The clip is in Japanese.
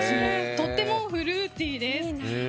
とてもフルーティーです。